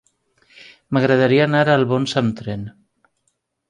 M'agradaria anar a Albons amb tren.